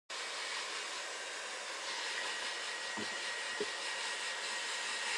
一冥全頭路，天光無半步